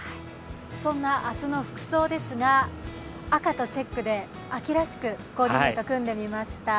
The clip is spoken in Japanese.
そんな明日の服装ですが、赤とチェックで秋らしくコーディネート組んでみました。